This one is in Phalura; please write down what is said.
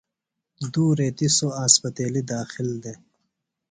دو ریتیۡ سوۡ اسپتیلیۡ داخل دےۡ۔